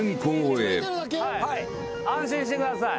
安心してください。